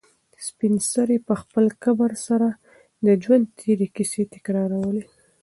سپین سرې په خپل کبر سره د ژوند تېرې کیسې تکرارولې.